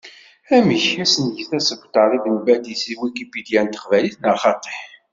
Amek, ad nget asebter i Ben Badis deg Wikipedia n teqbaylit neɣ xaṭi?